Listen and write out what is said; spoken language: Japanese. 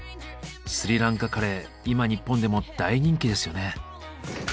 スリランカカレー今日本でも大人気ですよね。